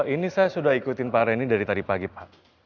ini saya sudah ikutin pak reni dari tadi pagi pak